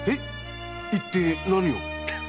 一体何を？